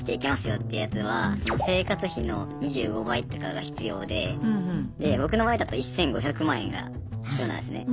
よってやつは生活費の２５倍とかが必要でで僕の場合だと１５００万円が必要なんですね。